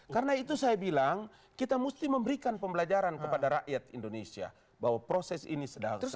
karena itu saya bilang kita mesti memberikan pembelajaran kepada rakyat indonesia bahwa proses ini sudah selesai